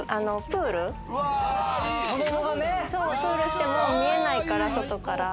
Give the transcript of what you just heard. プールしても見えないから、外から。